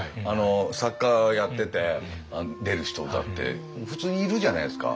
作家やってて出る人だって普通にいるじゃないですか。